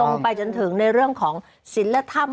ไปจนถึงในเรื่องของศิลธรรม